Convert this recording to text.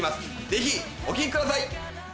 ぜひお聴きください。